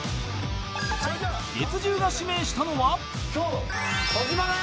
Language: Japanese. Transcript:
［月１０が指名したのは］児嶋だよ！